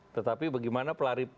tetapi bagaimana pelari